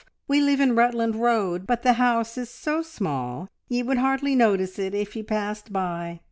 We live in Rutland Road, but the house is so small ye would hardly notice it if you passed by.